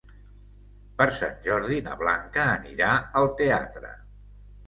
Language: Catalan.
Per Sant Jordi na Blanca anirà al teatre.